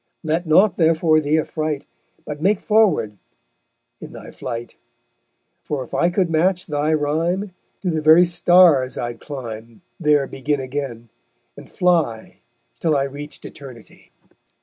Let nought therefore thee affright, But make forward in thy flight; For if I could match thy rhyme To the very stars I'd climb, There begin again, and fly Till I reached Eternity_.